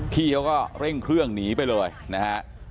พี่เขาก็เร่งเครื่องหนีไปเลยนะฮะ